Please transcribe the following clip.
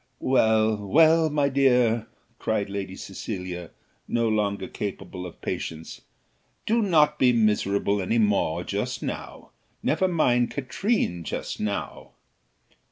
"Well, well, my dear," cried Lady Cecilia, no longer capable of patience; "do not be miserable any more just now; never mind Katrine just now."